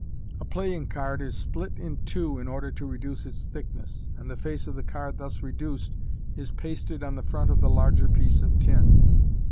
A playing card is split in two in order to reduce its thickness, and the face of the card thus reduced is pasted on the front of the larger piece of tin.